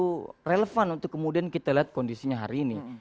itu relevan untuk kemudian kita lihat kondisinya hari ini